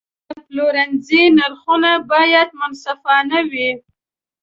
د پلورنځي نرخونه باید منصفانه وي.